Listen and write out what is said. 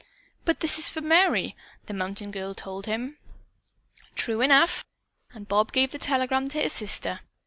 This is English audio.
"But this is for Merry," the mountain girl told him. "True enough!" and Bob gave the telegram to his sister.